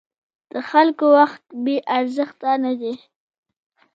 د خلکو وخت بې ارزښته نه دی.